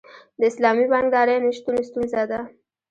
د اسلامي بانکدارۍ نشتون ستونزه ده.